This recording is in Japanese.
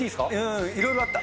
いろいろあった。